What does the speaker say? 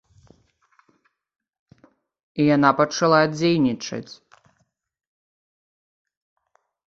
І яна пачала дзейнічаць.